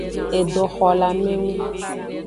Edoxolamengu.